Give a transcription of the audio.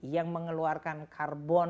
yang mengeluarkan carbon